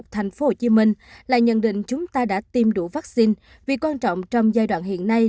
thành phố hồ chí minh lại nhận định chúng ta đã tiêm đủ vaccine vì quan trọng trong giai đoạn hiện nay